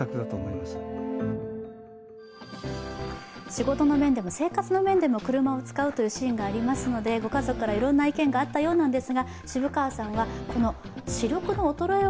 仕事の面でも生活の面でも車を使うというシーンがありますのでご家族からいろんな意見があったようです。